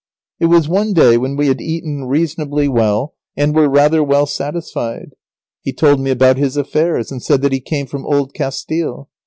It was one day when we had eaten reasonably well, and were rather well satisfied. He told me about his affairs, and said that he came from Old Castille.